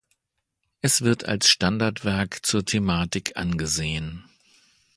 Es wird als Standardwerk zur Thematik angesehen.